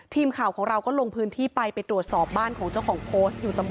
ทีมข่าวของเราก็ลงพื้นที่ไปไปตรวจสอบบ้านของเจ้าของโพสต์อยู่